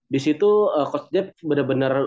di situ coach depp benar benar